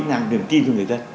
làm niềm tin cho người dân